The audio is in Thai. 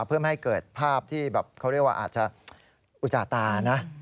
เพื่อไม่ให้เกิดภาพที่แบบเขาเรียกว่าอาจจะอุจาตานะ